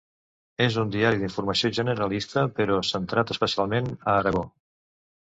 És un diari d'informació generalista, però centrat especialment a Aragó.